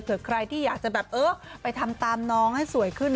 ใครที่อยากจะแบบเออไปทำตามน้องให้สวยขึ้น